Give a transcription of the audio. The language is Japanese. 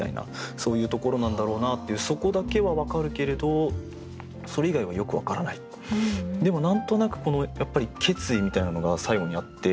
そういうところなんだろうなっていうそこだけはわかるけれどでも何となくやっぱり決意みたいなのが最後にあって。